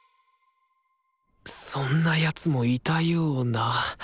そんな奴もいたような。